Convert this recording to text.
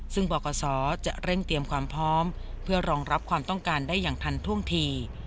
ซึ่งบขจะเร่งเตรียมความพร้อมเพื่อรองรับความต้องการได้อย่างทันท่วงที